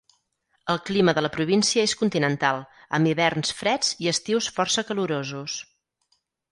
El clima de la província és continental, amb hiverns freds i estius força calorosos.